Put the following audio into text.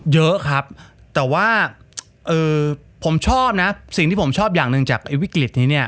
เยอะครับแต่ว่าผมชอบนะสิ่งที่ผมชอบอย่างหนึ่งจากไอ้วิกฤตนี้เนี่ย